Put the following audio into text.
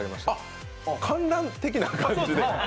観覧的な感じで？